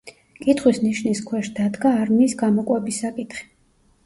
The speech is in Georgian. კითხვის ნიშნის ქვეშ დადგა არმიის გამოკვების საკითხი.